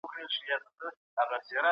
تاریخ به زموږ قضاوت کوي.